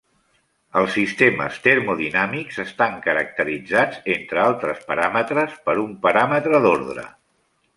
Els sistemes termodinàmics estan caracteritzats, entre altres paràmetres, per un paràmetre d'ordre.